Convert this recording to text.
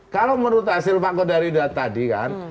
kalau menurut hasil pak kodari tadi kan